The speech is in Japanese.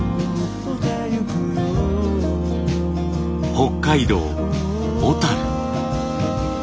北海道小。